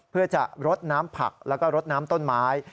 เพื่อจะรดน้ำผักแล้วก็รดน้ำต้นไม้